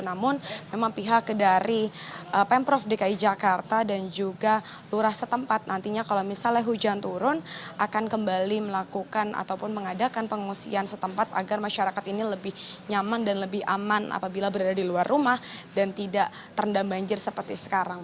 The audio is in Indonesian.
namun memang pihak dari pemprov dki jakarta dan juga lurah setempat nantinya kalau misalnya hujan turun akan kembali melakukan ataupun mengadakan pengungsian setempat agar masyarakat ini lebih nyaman dan lebih aman apabila berada di luar rumah dan tidak terendam banjir seperti sekarang